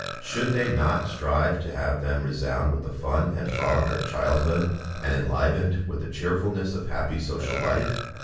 Should they not strive to have them resound with the fun and frolic of childhood, and enlivened with the cheerfulness of happy social life?